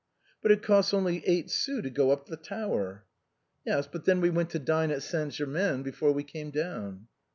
" But it costs only eight sous to go up the tower." " Yes, but then we went to dine at Saint Germain after we came down."